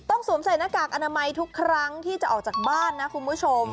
สวมใส่หน้ากากอนามัยทุกครั้งที่จะออกจากบ้านนะคุณผู้ชม